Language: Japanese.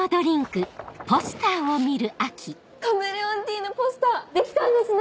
カメレオンティーのポスターできたんですね！